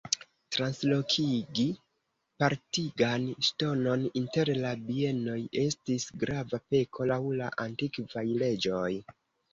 Translokigi partigan ŝtonon inter la bienoj estis grava peko laŭ la antikvaj leĝoj.